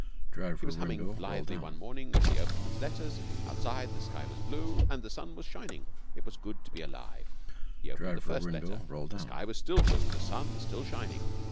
He was humming blithely one morning as he opened his letters; outside the sky was blue and the sun shining. It was good to be alive. He opened the first letter. The sky was still blue, the sun still shining.